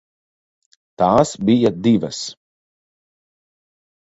Tās bija divas.